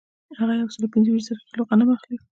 هغه یو سل پنځه ویشت زره کیلو غنم اخلي